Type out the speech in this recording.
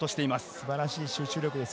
素晴らしい集中力です。